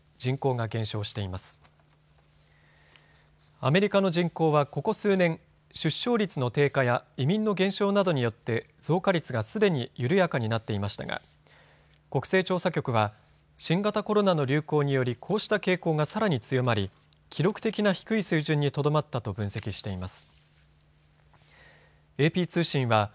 アメリカの人口はここ数年、出生率の低下や移民の減少などによって増加率がすでに緩やかになっていましたが国勢調査局は新型コロナの流行によりこうした傾向がさらに強まり記録的な低い水準にとどまったと分析しています。